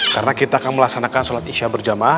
karena kita akan melaksanakan sholat isya berjamah